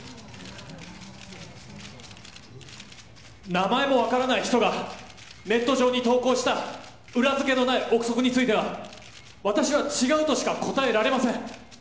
名前も分からない人がネット上に投稿した裏付けのない臆測については私は違うとしか答えられません。